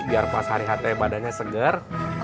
biar pas hari hati badannya seger